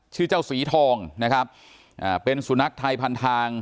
ชื่อเจ้าสีทองนะครับอ่าเป็นสุนัขไทยพันทาง